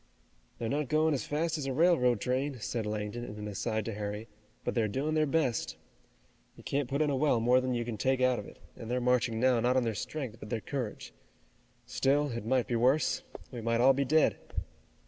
"They're not going as fast as a railroad train," said Langdon in an aside to Harry, "but they're doing their best. You can't put in a well more than you can take out of it, and they're marching now not on their strength, but their courage. Still, it might be worse. We might all be dead."